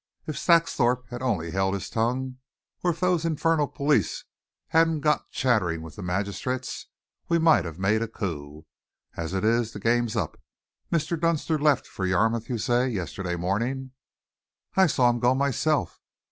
If Saxthorpe had only held his tongue, or if those infernal police hadn't got chattering with the magistrates, we might have made a coup. As it is, the game's up. Mr. Dunster left for Yarmouth, you say, yesterday morning?" "I saw him go myself.